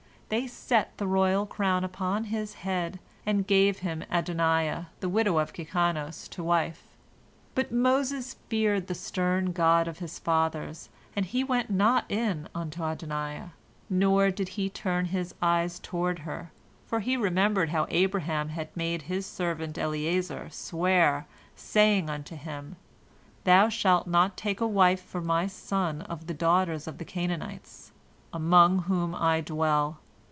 They set the royal crown upon his head, and gave him Adoniah, the widow of Kikanos to wife. But Moses feared the stern God of his fathers, and he went not in unto Adoniah, nor did he turn his eyes toward her, for he remembered how Abraham had made his servant Eliezer swear, saying unto him, "Thou shalt not take a wife for my son of the daughters of the Canaanites, among whom I dwell."